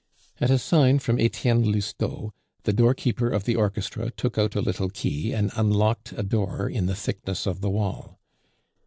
At a sign from Etienne Lousteau, the doorkeeper of the orchestra took out a little key and unlocked a door in the thickness of the wall.